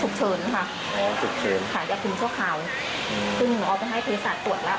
จุดเฉินค่ะอยากถึงช่วงเขาคือหมูออไปให้เพศสาธิ์ตรวจรับ